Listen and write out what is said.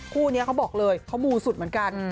คู่นี้เขาบอกเลยเขามูสุดเหมือนกัน